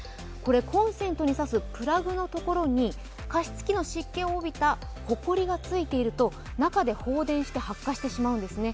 コンセントに差すプラグのところに加湿器の湿気を帯びたほこりがついていると中で放電して発火してしまうんですね。